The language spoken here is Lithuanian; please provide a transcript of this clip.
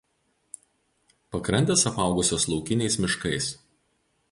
Pakrantės apaugusios laukiniais miškais.